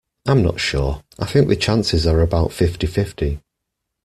I'm not sure; I think the chances are about fifty-fifty